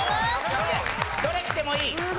どれきてもいい。